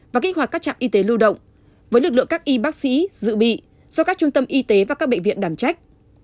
và kích hoạt các trạm y tế lưu động với lực lượng các y bác sĩ dự bị do các trung tâm y tế và các bệnh viện đảm trách